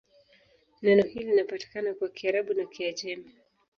Neno hili linapatikana kwa Kiarabu na Kiajemi.